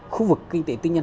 khu vực kinh tế tư nhân